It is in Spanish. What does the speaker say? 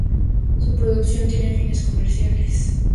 Su producción tienen fines comerciales.